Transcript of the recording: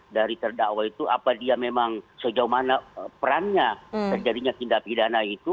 dari terdakwa itu apa dia memang sejauh mana perannya terjadinya tindak pidana itu